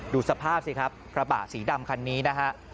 ดูสภาพสิครับกระบะสีดำคันนี้นะฮะ